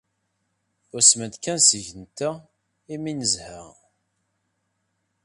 Usment kan seg-nteɣ imi ay nezha.